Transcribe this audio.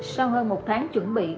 sau hơn một tháng chuẩn bị